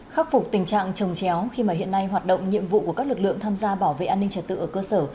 khắc phục tình trạng trồng chéo khi mà hiện nay hoạt động nhiệm vụ của các lực lượng tham gia bảo vệ an ninh trật tự ở cơ sở